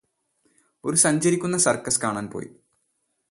ഒരു സഞ്ചരിക്കുന്ന സര്ക്കസ് കാണാന് പോയി